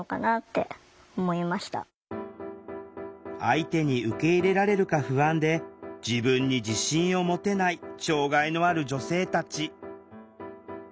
相手に受け入れられるか不安で自分に自信を持てない障害のある女性たち。